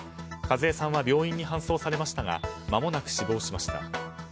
かずゑさんは病院に搬送されましたがまもなく死亡しました。